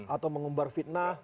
atau mengumbar fitnah